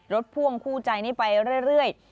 พ่วงคู่ใจนี้ไปเรื่อย